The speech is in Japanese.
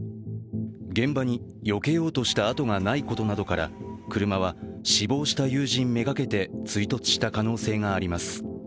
現場によけようとしたあとがないことなどから車は死亡した友人めがけて追突した可能性があります。